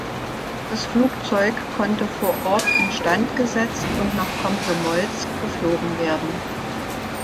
Das Flugzeug konnte vor Ort instandgesetzt und nach Komsomolsk geflogen werden.